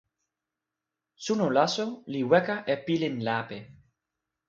suno laso li weka e pilin lape.